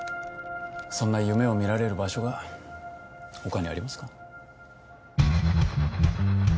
そんな夢を見られる場所が他にありますか？